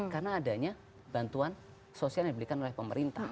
karena adanya bantuan sosial yang diberikan oleh pemerintah